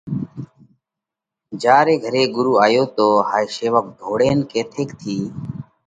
جيا ري گھري ڳرُو آيو تو هائي شيوَڪ ڍوڙينَ ڪٿئيڪ ٿِي